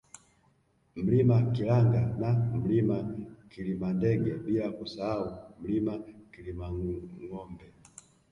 Mlima Kilanga na Mlima Kilimandege bila kusahau Mlima Kilimangombe